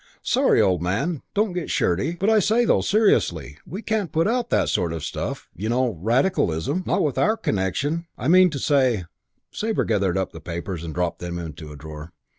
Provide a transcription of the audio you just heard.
"Sorry, old man. Don't get shirty. But I say though, seriously, we can't put out that sort of stuff, you know. Radicalism. Not with our connection. I mean to say " Sabre gathered up the papers and dropped them into a drawer.